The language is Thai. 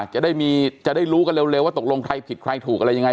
จะได้รู้กันเร็วว่าตกลงใครผิดใครถูกอะไรยังไง